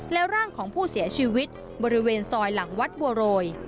และร่างของผู้เสียชีวิตบริเวณซอยหลังวัดบัวโรย